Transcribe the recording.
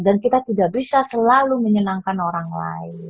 kita tidak bisa selalu menyenangkan orang lain